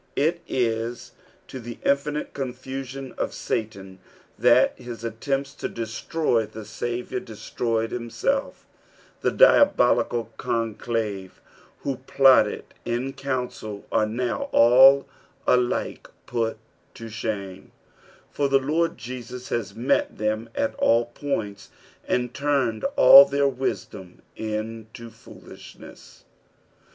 It is lu the intinile cotifusioa of Satan tliat hie attempts to destroj the Saviour destroyed himself ; the diabolical conclave who plotted in council are now all alike put to shame, for tile Lord Jesua has met them at all pointa, and turned all their wisdom into foolishness.